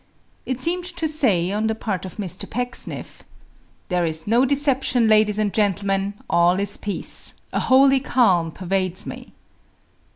It seemed to say, on the part of Mr. Pecksniff, "There is no deception, ladies and gentlemen, all is peace, a holy calm pervades me."